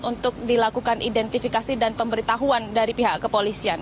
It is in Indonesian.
untuk dilakukan identifikasi dan pemberitahuan dari pihak kepolisian